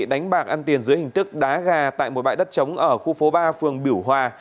đánh bạc ăn tiền dưới hình thức đá gà tại một bãi đất trống ở khu phố ba phường biểu hòa